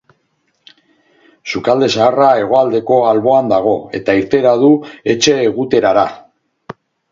Sukalde zaharra hegoaldeko alboan dago, eta irteera du etxe-eguterara.